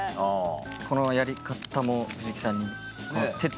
このやり方も藤木さんにこの手つき。